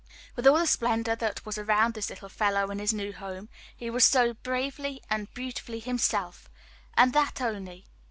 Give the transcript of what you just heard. "With all the splendor that was around this little fellow in his new home, he was so bravely and beautifully himself and that only.